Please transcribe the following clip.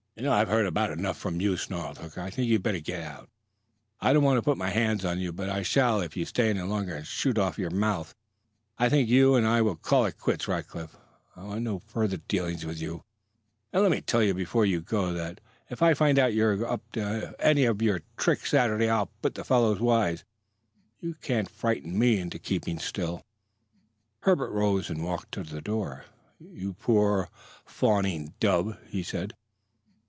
"I've heard about enough from you!" snarled Hooker. "I think you'd better get. I don't want to put my hands on you, but I shall if you stay any longer and shoot off your face. I think you and I will call it quits, Rackliff; I want no further dealings with you. And let me tell you before you go that if I find out you're up to any of your tricks Saturday I'll put the fellows wise. You can't frighten me into keeping still." Herbert rose and walked to the door. "You poor, fawning dub!" he said.